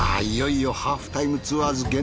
いよいよ『ハーフタイムツアーズ』